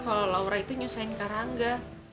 kalau laura itu nyusahin kak rangga